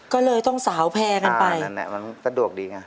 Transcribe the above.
ก็เลยต้องสาวแพร่กันไปนั่นแหละมันสะดวกดีไง